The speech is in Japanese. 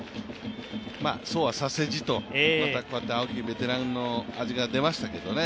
そうはさせじと青木、ベテランの味が出ましたけどね